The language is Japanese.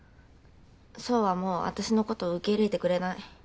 奏はもうわたしのこと受け入れてくれない。